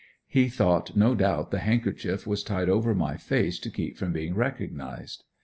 He thought no doubt the handkerchief was tied over my face to keep from being recognized.